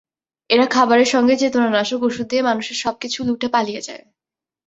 এরা খাবারের সঙ্গে চেতনানাশক ওষুধ দিয়ে মানুষের সবকিছু লুটে পালিয়ে যায়।